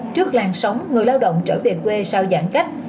trước làn sóng người lao động trở về quê sau giãn cách